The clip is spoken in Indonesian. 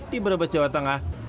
dibuat oleh dprd kabupaten sidoarjo